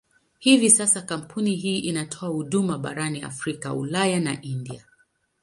Hivi sasa kampuni hii inatoa huduma barani Afrika, Ulaya na India.